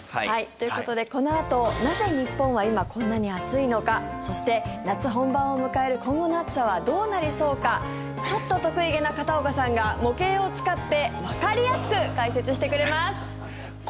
ということで、このあとなぜ日本は今、こんなに暑いのかそして、夏本番を迎える今後の暑さはどうなりそうかちょっと得意げな片岡さんが模型を使って